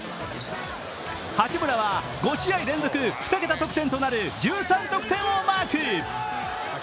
八村は５試合連続２桁得点となる１３得点をマーク。